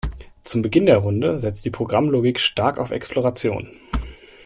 Zu Beginn der Runde setzt die Programmlogik stark auf Exploration.